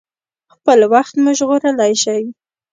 خپل وخت مو ژغورلی شئ.